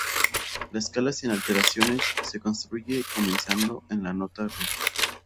La escala sin alteraciones se construye comenzando en la nota re.